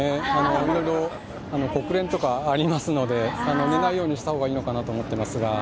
いろいろ国連とかありますので寝ないようにした方がいいのかなと思っていますが。